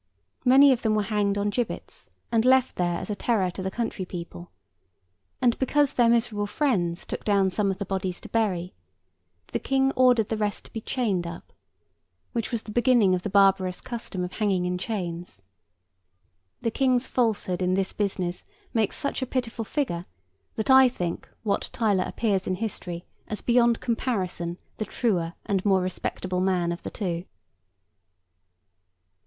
Many of them were hanged on gibbets, and left there as a terror to the country people; and, because their miserable friends took some of the bodies down to bury, the King ordered the rest to be chained up—which was the beginning of the barbarous custom of hanging in chains. The King's falsehood in this business makes such a pitiful figure, that I think Wat Tyler appears in history as beyond comparison the truer and more respectable man of the two.